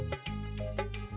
mas rangga mau bantu